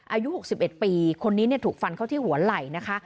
อายุหกสิบเอ็ดปีคนนี้เนี่ยถูกฟันเขาที่หัวไหล่นะคะ